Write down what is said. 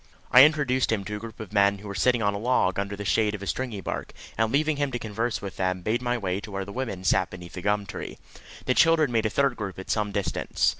I introduced him to a group of men who were sitting on a log, under the shade of a stringybark, and leaving him to converse with them, made my way to where the women sat beneath a gum tree. The children made a third group at some distance.